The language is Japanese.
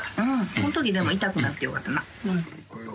こんときでも痛くなくてよかったな。